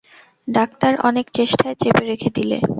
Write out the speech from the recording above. Doctor অনেক চেস্টায় চেপে রেখে দিলে।